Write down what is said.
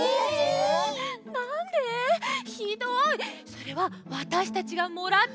それはわたしたちがもらった